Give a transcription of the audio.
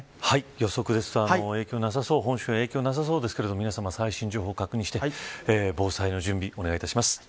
予測ですと、本州に影響はなさそうですが、皆さま最新情報を確認して防災の準備、お願いいたします。